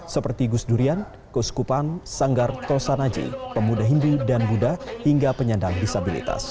seperti gus durian gus kupan sanggar tosanaji pemuda hindu dan buddha hingga penyandang disabilitas